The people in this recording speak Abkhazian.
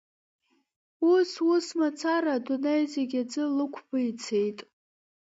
Ус-ус мацара адунеи зегьы аӡы лықәба ицеит.